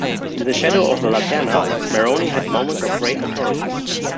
In the shadow of the "Lanterna", Meroni had moments of great notoriety.